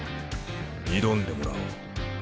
挑んでもらおう。